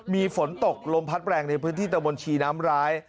มีฝนตกลมพัดแรงในพื้นที่ตะบนชีน้ำร้าย